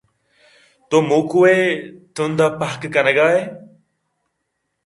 تو موکو ءِ تند پھک کنگ ءَ ئے